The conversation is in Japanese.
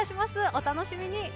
お楽しみに。